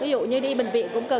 ví dụ như đi bệnh viện